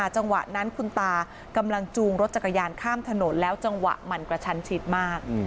จังหวะนั้นคุณตากำลังจูงรถจักรยานข้ามถนนแล้วจังหวะมันกระชันชิดมาก